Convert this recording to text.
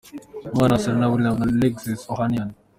Umwana wa Serena Williams na Alexis Ohanian.